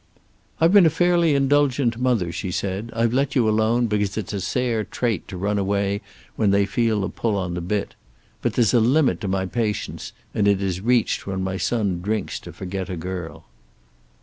"I've been a fairly indulgent mother," she said. "I've let you alone, because it's a Sayre trait to run away when they feel a pull on the bit. But there's a limit to my patience, and it is reached when my son drinks to forget a girl."